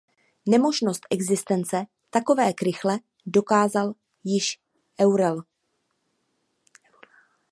Nemožnost existence takové krychle dokázal již Euler.